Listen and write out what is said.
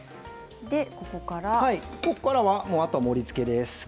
ここからは、あとは盛りつけです。